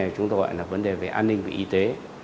chúng tôi gọi là vấn đề về an ninh và y tế